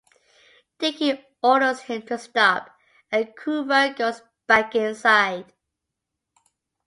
Dickie orders him to stop and Coover goes back inside.